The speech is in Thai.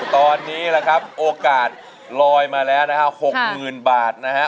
ตอนนี้ละครับโอกาสลอยมาแล้วนะครับหกหมื่นบาทนะฮะ